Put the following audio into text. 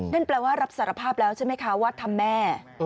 นั่นแปลว่ารับสารภาพแล้วใช่ไหมคะว่าทำแม่